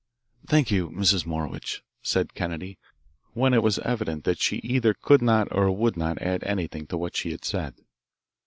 "Thank you, Mrs. Morowitch," said Kennedy, when it was evident that she either could not or would not add anything to what she had said.